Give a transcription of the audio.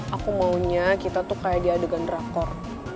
aku maunya kita tuh kayak di adegan drakor